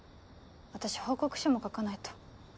私報告書も書かないと。